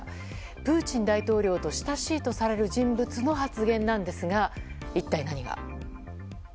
プーチン大統領と親しいとされる人物の発言なんですが一体、何が。